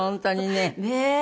ねえ。